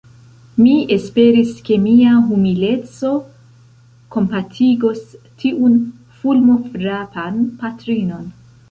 Mi esperis, ke mia humileco kompatigos tiun fulmofrapan patrinon.